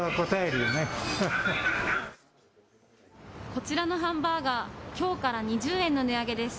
こちらのハンバーガー、きょうから２０円の値上げです。